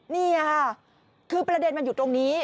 นี่ค่ะคือประเด็นมันอยู่ตรงนี้